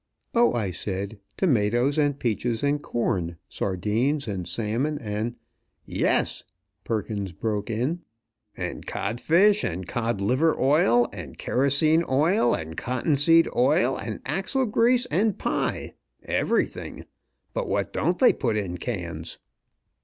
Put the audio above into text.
"Oh!" I said, "tomatoes and peaches and com, sardines, and salmon, and " "Yes!" Perkins broke in, "and codfish, and cod liver oil, and kerosene oil, and cottonseed oil, and axle grease and pie! Everything! But what don't they put in cans?"